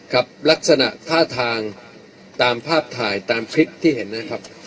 ครับลักษณะท่าทางตามภาพถ่ายตามคลิปที่เห็นนะครับ